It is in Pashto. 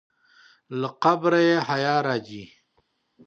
له قبره یې حیا راځي.